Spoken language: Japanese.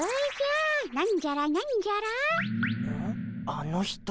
あの人。